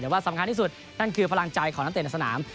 แต่ว่าสำคัญที่สุดนั่นคือพลังใจของนักเตะในสนาม